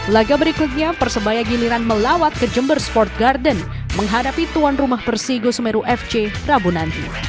laga berikutnya persebaya giliran melawat ke jember sport garden menghadapi tuan rumah persigo semeru fc rabu nanti